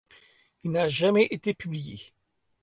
Il n'a jamais été publié.